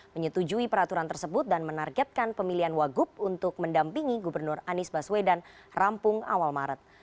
menyetujui peraturan tersebut dan menargetkan pemilihan wagup untuk mendampingi gubernur anies baswedan rampung awal maret